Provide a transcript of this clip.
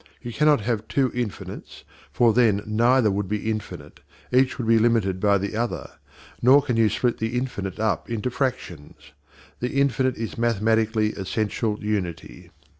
You cannot have two infinites, for then neither would be infinite, each would be limited by the other, nor can you split the infinite up into fractions. The infinite is mathematically essential unity.